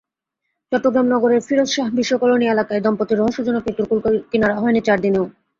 চট্টগ্রাম নগরের ফিরোজশাহ বিশ্ব কলোনি এলাকায় দম্পতির রহস্যজনক মৃত্যুর কূলকিনারা হয়নি চার দিনেও।